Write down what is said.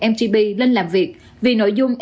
mgb lên làm việc vì nội dung